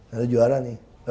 anda juara nih